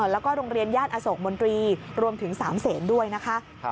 แล้วก็โรงเรียนญาติอโศกมนตรีรวมถึง๓เสนด้วยนะคะ